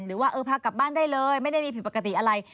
หรือว่าพากลับบ้านได้เลยไม่ได้มีผิดปกติอะไร